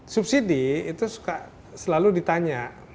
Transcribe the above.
subsidi itu selalu ditanya